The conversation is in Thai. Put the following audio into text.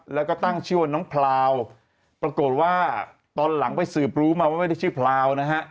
แล้วก็ตั้งชื่อว่าน้องพลาวปรากฏว่าตอนหลังไปสืบรู้มาว่าไม่ได้ชื่อพราวนะฮะ